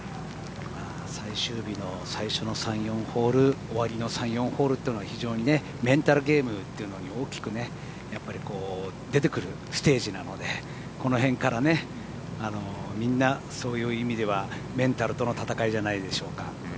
最終日の最初の３、４ホール、終わりの３、４ホールっていうのは非常にメンタルゲームというのに大きくやっぱり出てくるステージなのでこの辺からみんな、そういう意味ではメンタルとの闘いじゃないでしょうか。